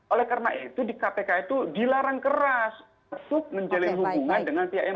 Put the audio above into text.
oleh karena itu di kpk itu dilarang keras untuk menjalin hubungan dengan pihak mk